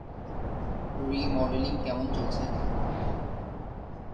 Remodelling কেমন চলছে?